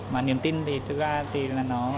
mà niềm tin thì thực ra